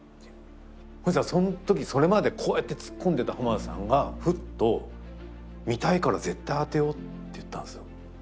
そしたらその時それまでこうやってツッコんでた浜田さんがふっと「見たいから絶対当てよう」って言ったんですよ。